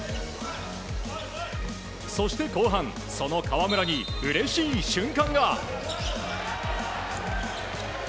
そして、後半その河村に、うれしい瞬間が。